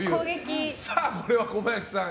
さあ、これは小林さん